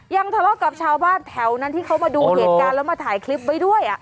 ทะเลาะกับชาวบ้านแถวนั้นที่เขามาดูเหตุการณ์แล้วมาถ่ายคลิปไว้ด้วย